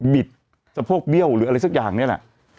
บิดสะโพกเบี้ยวหรืออะไรสักอย่างเนี่ยแหละ